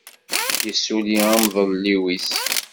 Yessuli amḍelliw-is.